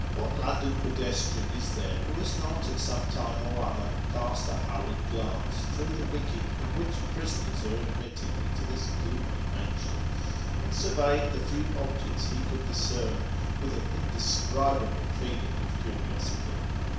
What London pedestrian is there who has not, at some time or other, cast a hurried glance through the wicket at which prisoners are admitted into this gloomy mansion, and surveyed the few objects he Just let out. 145 Could discern, with an indescribable feeling of curiosity